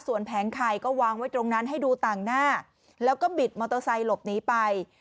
ส่วนแผงไข่ก็วางไว้ตรงนั้นให้ดูต่างหน้าแล้วก็บิดมอเตอร์ไซค์หลบหนีไป